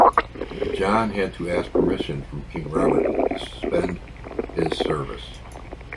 John had to ask permission from King Robert to suspend his service.